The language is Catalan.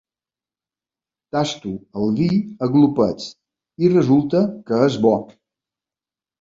Tasto el vi a glopets i resulta que és bo.